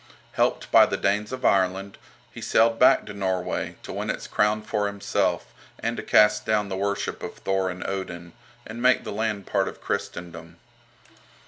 Helped by the Danes of Ireland, he sailed back to Norway, to win its crown for himself, and to cast down the worship of Thor and Odin, and make the land part of Christendom.